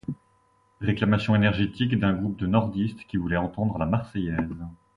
Réclamations énergiques d’un groupe de nordistes qui voulaient entendre la Marseillaise.